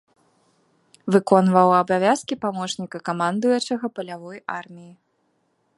Выконваў абавязкі, памочніка камандуючага палявой арміяй.